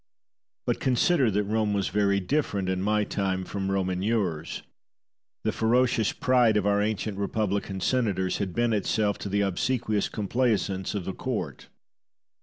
But consider that Rome was very different in my time from Rome in yours. The ferocious pride of our ancient republican senators had bent itself to the obsequious complaisance of a court.